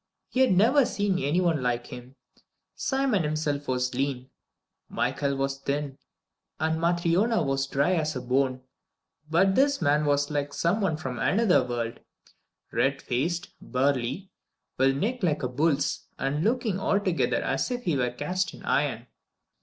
He had never seen any one like him. Simon himself was lean, Michael was thin, and Matryona was dry as a bone, but this man was like some one from another world: red faced, burly, with a neck like a bull's, and looking altogether as if he were cast in iron.